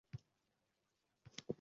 Qarasam, mening qoralama daftarim